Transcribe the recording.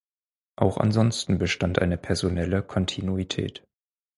Auch ansonsten bestand eine personelle Kontinuität.